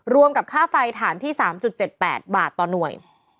รวมกับค่าไฟฐานที่๓๗๘บาทต่อหน่วย